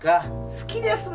好きですね